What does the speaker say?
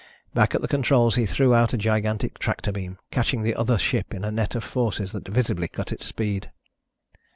Back at the controls he threw out a gigantic tractor beam, catching the other ship in a net of forces that visibly cut its speed.